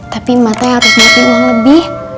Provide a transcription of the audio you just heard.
tapi matanya harus mati uang lebih